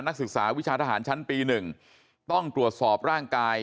นักศึกษาวิชาทหารชั้นปี๑ต้องตรวจสอบร่างกาย